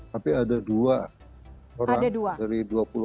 tapi ada dua orang dari dua puluh